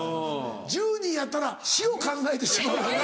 １０人やったら死を考えてしまうよな。